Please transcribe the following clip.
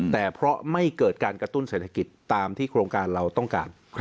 แต่เพราะไม่เกิดการกระตุ้นเศรษฐกิจตามที่โครงการเราต้องการ